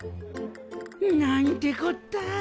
なんてこった。